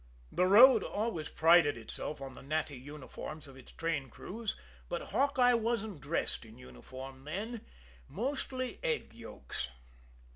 The road always prided itself on the natty uniforms of its train crews, but Hawkeye wasn't dressed in uniform then mostly egg yolks.